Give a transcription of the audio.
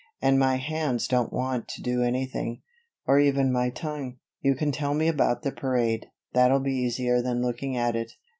And my hands don't want to do anything or even my tongue. You can tell me about the parade that'll be easier than looking at it."